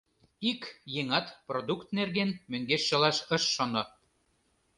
Ик еҥат продукт нерген, мӧҥгеш шылаш ыш шоно.